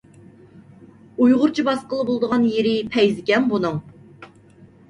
ئۇيغۇرچە باسقىلى بولىدىغان يېرى پەيزىكەن بۇنىڭ.